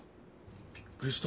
びっくりした。